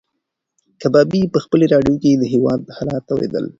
کبابي په خپلې راډیو کې د هېواد حالات اورېدل.